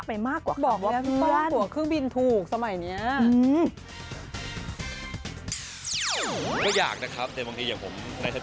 ไปมากกว่าเพื่อน